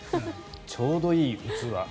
ちょうどいい器。